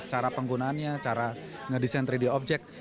cara penggunaannya cara ngedesain tiga d objek